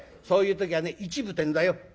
「そういう時はね１分ってんだよ」。